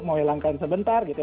mau hilangkan sebentar gitu